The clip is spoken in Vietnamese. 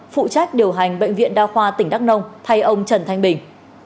phụ trách điều hành bệnh viện đa khoa tỉnh đắk nông thay ông trần thanh bình